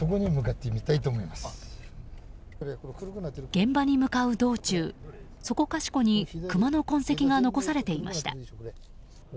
現場に向かう道中そこかしこにクマの痕跡が残されていました。